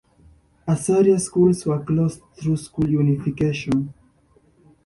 Assaria schools were closed through school unification.